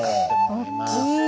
大きい。